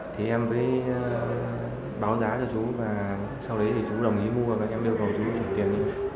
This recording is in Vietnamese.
thì em với báo giá cho chú và sau đấy thì chú đồng ý mua và em đưa vào chú trả tiền